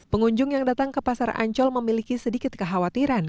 pengunjung yang datang ke pasar ancol memiliki sedikit kekhawatiran